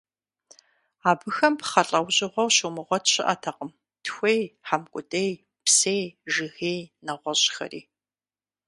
Абыхэм пхъэ лӀэужьыгъуэу щумыгъуэт щыӀэтэкъым: тхуей, хьэмкӀутӀей, псей, жыгей, нэгъуэщӏхэри.